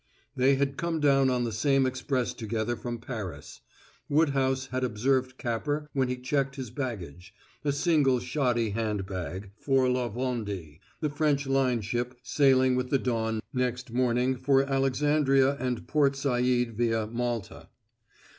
They had come down on the same express together from Paris. Woodhouse had observed Capper when he checked his baggage, a single shoddy hand bag, for La Vendée, the French line ship sailing with the dawn next morning for Alexandria and Port Said via Malta.